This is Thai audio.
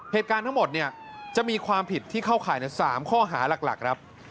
เหตุการณ์ทั้งหมดเนี่ยจะมีความผิดที่เข้าข่ายใน๓ข้อหาหลักครับ